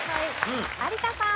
有田さん。